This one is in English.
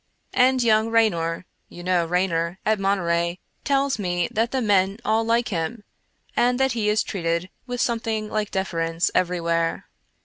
And young Raynor — you knew Ray nor at Monterey — tells me that the men all like him, and that he is treated with something like deference everywhere.